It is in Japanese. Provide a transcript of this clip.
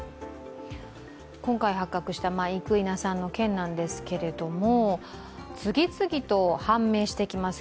今回発覚した生稲さんの件なんですけれども、次々と判明してきます